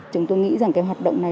chúng tôi nghĩ rằng cái hoạt động này